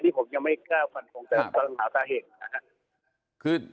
อันนี้ผมยังไม่กล้าฝันต้องหาตาเหตุนะครับ